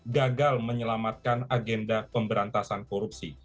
gagal menyelamatkan agenda pemberantasan korupsi